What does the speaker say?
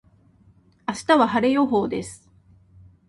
明日は晴れ予報です。